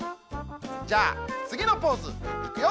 じゃあつぎのポーズいくよ。